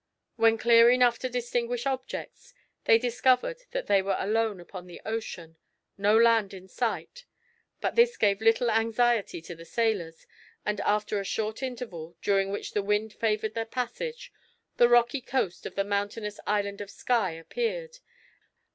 When clear enough to distinguish objects, they discovered that they were alone upon the ocean no land in sight; but this gave little anxiety to the sailors, and after a short interval, during which the wind favoured their passage, the rocky coast of the mountainous Island of Skye appeared.